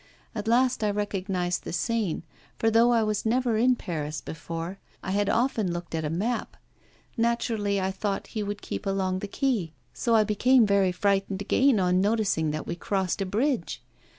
At last I recognised the Seine, for though I was never in Paris before, I had often looked at a map. Naturally I thought he would keep along the quay, so I became very frightened again on noticing that we crossed a bridge.